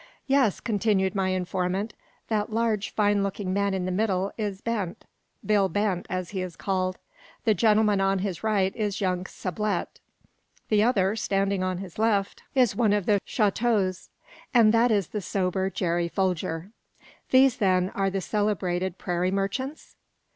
"Yes," continued my informant. "That large, fine looking man in the middle is Bent Bill Bent, as he is called. The gentleman on his right is young Sublette; the other, standing on his left, is one of the Choteaus; and that is the sober Jerry Folger." "These, then, are the celebrated prairie merchants?"